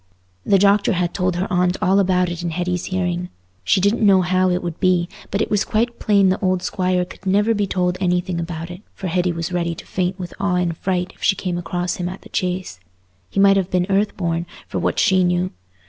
The doctor had told her aunt all about it in Hetty's hearing. She didn't know how it would be, but it was quite plain the old Squire could never be told anything about it, for Hetty was ready to faint with awe and fright if she came across him at the Chase. He might have been earth born, for what she knew.